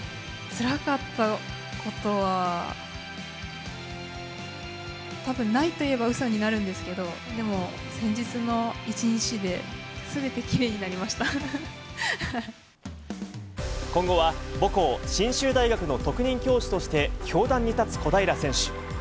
つらかったことは、たぶんないと言えばうそになるんですけれども、でも、先日の一日今後は母校、信州大学の特任教授として教壇に立つ小平選手。